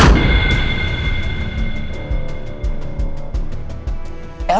dan dia menyebut nama elsa